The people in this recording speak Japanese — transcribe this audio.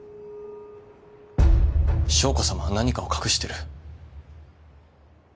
将子さまは何かを隠してる。